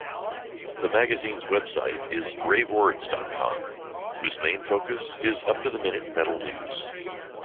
The magazine's website is BraveWords.com, whose main focus is up-to-the-minute metal news.